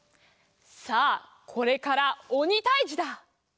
さあこれからおにたいじだ。